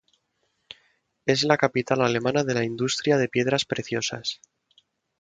Es la capital alemana de la industria de piedras preciosas.